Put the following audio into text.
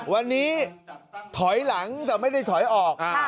วันนี้ถอยหลังแต่ไม่ได้ถอยออก